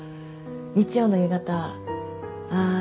日曜の夕方ああー